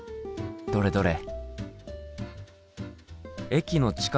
どれどれ。